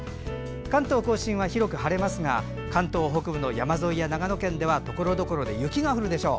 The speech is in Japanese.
関東・甲信は広く晴れますが関東北部の山沿いや長野県ではところどころで雪が降るでしょう。